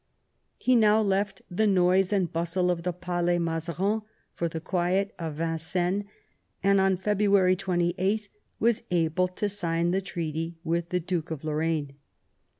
He now left the noise and bustle of the Palais Mazarin for the quiet of Vincennes, and on February 28 was able to sign the treaty with the Duke of Lorraine.